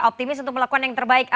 optimis untuk melakukan yang terbaik